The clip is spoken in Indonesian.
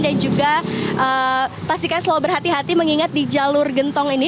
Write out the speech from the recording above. dan juga pastikan selalu berhati hati mengingat di jalur gentong ini